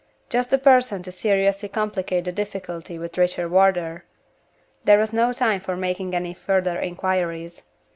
Just the person to seriously complicate the difficulty with Richard Wardour! There was no time for making any further inquiries.